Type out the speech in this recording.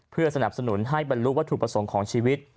เพื่อสนับสนุนให้บรรลุวัตถุประสงค์ของชีวิต